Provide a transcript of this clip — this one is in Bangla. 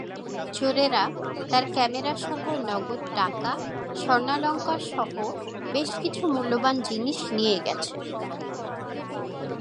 চোরেরা তাঁর ক্যামেরাসহ নগদ টাকা, স্বর্ণালংকারসহ বেশ কিছু মূল্যবান জিনিস নিয়ে গেছে।